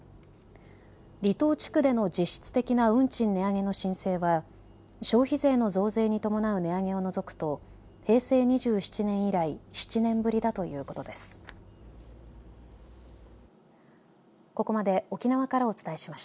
離島地区での実質的な運賃値上げの申請は消費税の増税に伴う値上げを除くと平成２７年以来７年ぶりだということです。